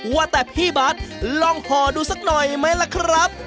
ว่าแต่พี่บาทลองห่อดูสักหน่อยไหมล่ะครับ